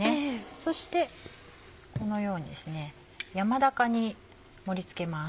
そしてこのように山高に盛り付けます。